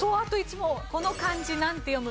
この漢字なんて読む？